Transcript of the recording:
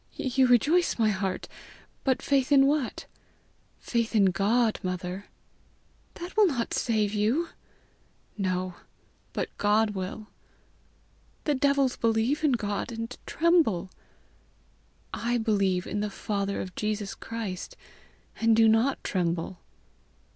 "You rejoice my heart. But faith in what?" "Faith in God, mother." "That will not save you." "No, but God will." "The devils believe in God, and tremble." "I believe in the father of Jesus Christ, and do not tremble."